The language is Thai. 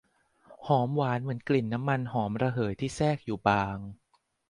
หอมหวานเหมือนกลิ่นน้ำมันหอมระเหยที่แทรกอยู่บาง